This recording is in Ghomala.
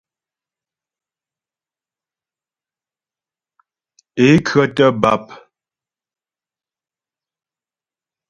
Ě khə́tə̀ bàp.